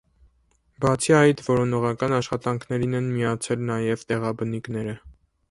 Բացի այդ որոնողական աշխատանքներին են միացել նաև տեղաբնիկները։